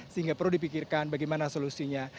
sehingga perlu dipikirkan bagaimana solusinya